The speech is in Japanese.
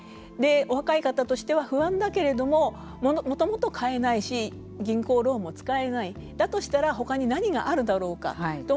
お若い方としては不安だけれどももともと買えないし銀行ローンも使えないだとしたらほかに何があるだろうかと